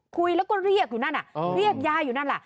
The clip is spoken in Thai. คุยแล้วก็เรียกอยู่นั่นเรียกยายอยู่นั่นแหละ